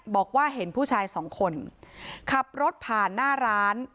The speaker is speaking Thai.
บอกว่าเห็นผู้ชายสองคนขับรถผ่านหน้าร้าน